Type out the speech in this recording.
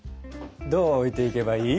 どう置いていけばいい？